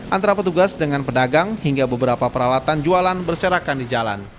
antara petugas dengan pedagang hingga beberapa peralatan jualan berserakan di jalan